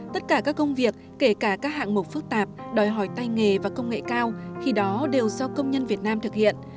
tất cả các công việc kể cả các hạng mục phức tạp đòi hỏi tay nghề và công nghệ cao khi đó đều do công nhân việt nam thực hiện